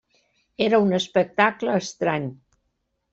Era un espectacle estrany.